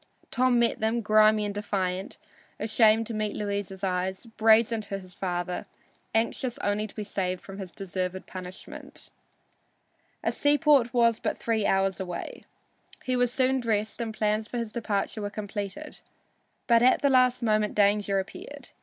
Tom met them, grimy and defiant, ashamed to meet Louisa's eyes, brazen to his father, anxious only to be saved from his deserved punishment. A seaport was but three hours away. He was soon dressed and plans for his departure were completed. But at the last moment danger appeared.